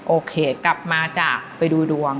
โอเคกลับมาจ้ะไปดูดวง